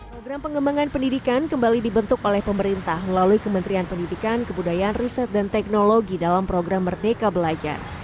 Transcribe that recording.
program pengembangan pendidikan kembali dibentuk oleh pemerintah melalui kementerian pendidikan kebudayaan riset dan teknologi dalam program merdeka belajar